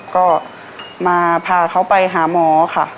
ก็มาพาเขาไปหาหมอค่ะ